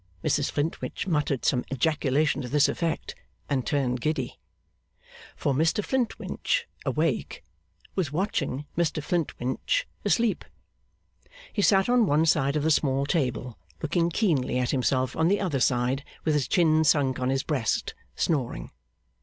Mrs Flintwinch muttered some ejaculation to this effect, and turned giddy. For, Mr Flintwinch awake, was watching Mr Flintwinch asleep. He sat on one side of the small table, looking keenly at himself on the other side with his chin sunk on his breast, snoring.